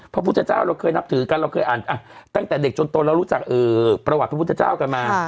พระพุทธเจ้าเราเคยนับถือกันเราเคยอ่านตั้งแต่เด็กจนตนเรารู้จักประวัติพระพุทธเจ้ากันมา